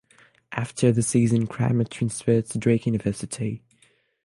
After the season Kraemer transferred to Drake University.